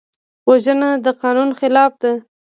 وژنه د قانون خلاف ده